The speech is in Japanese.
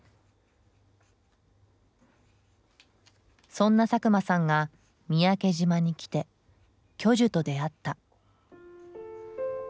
そんな佐久間さんが三宅島に来て巨樹と出会った。